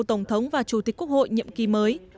tổng thống và chủ tịch quốc hội nhiệm kỳ mới